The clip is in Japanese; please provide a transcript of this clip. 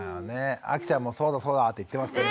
あきちゃんもそうだそうだって言ってますね。